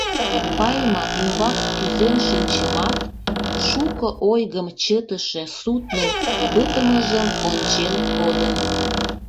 Пальма ӱмбак кӱзен шинчымат, шуко ойгым чытыше суднын пытымыжым ончен кодым.